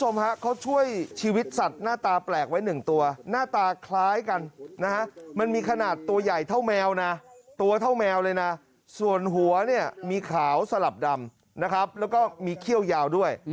มีขาวสลับดำนะครับแล้วก็มีเขี้ยวยาวด้วย